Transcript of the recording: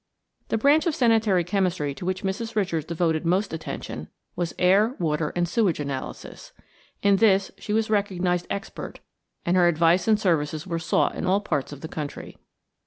The branch of sanitary chemistry to which Mrs. Richards devoted most attention was air, water and sewage analysis. In this she was a recognized expert, and her advice and services were sought in all parts of the country.